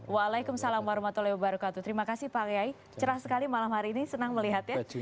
waalaikumsalam warahmatullahi wabarakatuh terima kasih pak kiai cerah sekali malam hari ini senang melihatnya